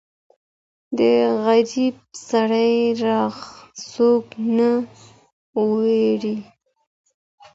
د غریب سړي ږغ څوک نه اوري.